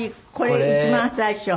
これ一番最初？